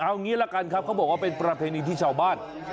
เอางี้ละกันครับเขาบอกว่าเป็นประเพณีที่ชาวบ้าน